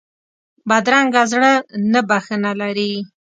بدرنګه زړه نه بښنه لري